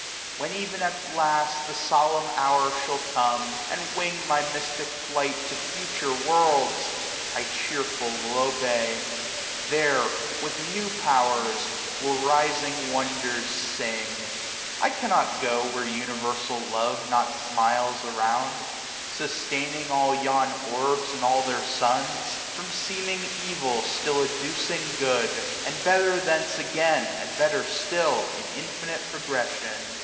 When even at last the solemn hour shall come. And wing my mystic flight to future worlds, I cheerful will obey; there, with new powers, iid Will rising wonders sing : I cannot go Where Universal Love not smiles around, Sustaining all yon orbs and all their sons ; From seeming evil still educing good. And better thence again, and better still, 115 In infinite progression.